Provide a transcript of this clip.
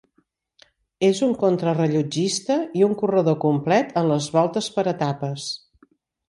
És un contrarellotgista i un corredor complet en les voltes per etapes.